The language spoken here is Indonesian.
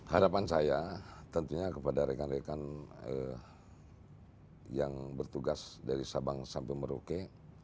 harapan saya tentunya kepada rekan rekan yang bertugas dari sabang sampai merauke